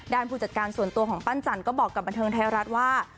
ผู้จัดการส่วนตัวของปั้นจันก็บอกกับบันเทิงไทยรัฐว่า